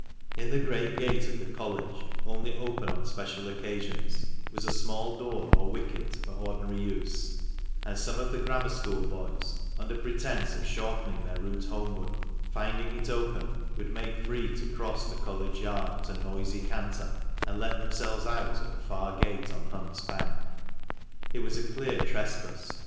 In the great gate of the College, only open on special occasions, was a small door or wicket, for ordinary use ; and some of the Grammar School boys, under pretence of shortening their route homeward, finding it open, would make free to cross the College Yard at a noisy canter, and let themselves out at the far gate on Hunt's Bank. It was a clear trespass.